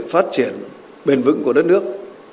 phát triển bền vững của đất nước